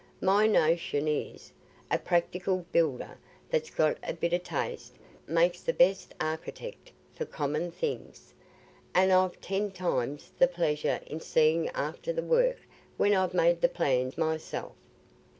My notion is, a practical builder that's got a bit o' taste makes the best architect for common things; and I've ten times the pleasure i' seeing after the work when I've made the plan myself."